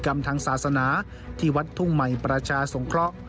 กรรมทางศาสนาที่วัดทุ่งไหมประชาส่งกล้อ